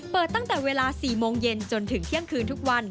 เปิดตั้งแต่เวลา๔โมงเย็นจนถึงเที่ยงคืนทุกวัน